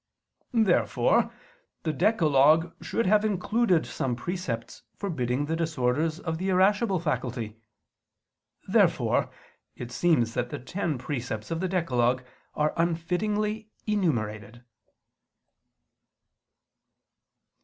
Therefore the decalogue should have included some precepts forbidding the disorders of the irascible faculty. Therefore it seems that the ten precepts of the decalogue are unfittingly enumerated.